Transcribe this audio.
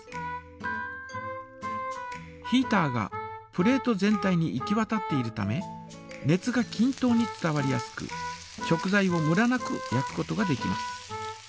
ヒータがプレート全体に行きわたっているため熱がきん等に伝わりやすく食材をムラなく焼くことができます。